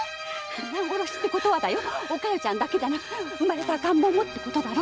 皆殺しってことはだよお加代ちゃんだけじゃなく産まれた赤ん坊もってこと？